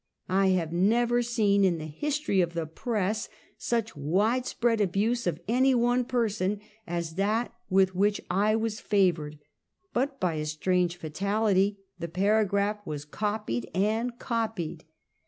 I have never seen, in the history of the press, such wide spread abuse of any one person as that with which I was favored; but, by a strange fatality, the paragraph was copied and copied.